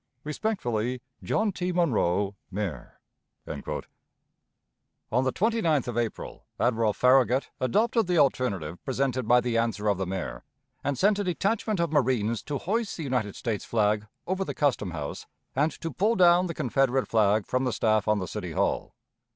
"Respectfully, "JOHN T. MONROE, Mayor." On the 29th of April Admiral Farragut adopted the alternative presented by the answer of the Mayor, and sent a detachment of marines to hoist the United States flag over the Custom House, and to pull down the Confederate flag from the staff on the City Hall.